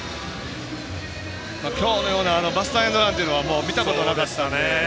今日のようなバスターエンドランというのは見たことなかったんで。